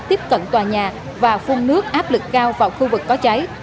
tiếp cận tòa nhà và phun nước áp lực cao vào khu vực có cháy